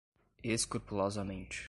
escrupulosamente